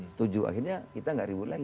setuju akhirnya kita gak ribut lagi